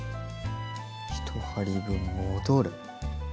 １針分戻る。